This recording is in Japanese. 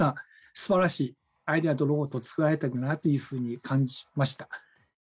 すばらしいアイデアとロボットを作られてるなというふうに感じました。